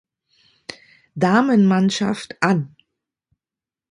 Damenmannschaft an.